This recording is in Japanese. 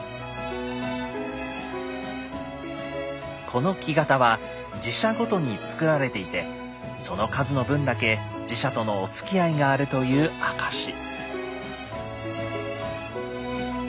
この木型は寺社ごとに作られていてその数の分だけ寺社とのおつきあいがあるという証し。